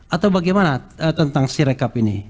atau bagaimana tentang si rekap ini